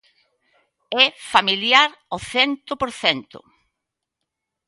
É familiar ao cento por cento.